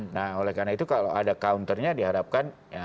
nah oleh karena itu kalau ada counternya diharapkan